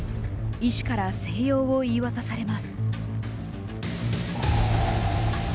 医師から静養を言い渡されます。